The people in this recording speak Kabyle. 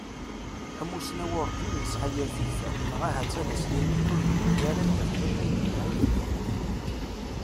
Amussnaw urǧin yesƐa yir tikta, neɣ ahat ad as-nini ur yebɣi ara ad yexdem ayen yelhan i tutlayt.